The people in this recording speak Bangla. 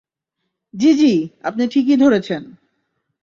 জ্বি, জ্বি, আপনি ঠিকই ধরেছেন!